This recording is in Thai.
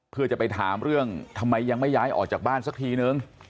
เพื่อจะไปถามเรื่องทำไมยังไม่ย้ายออกจากบ้านสักทีนึง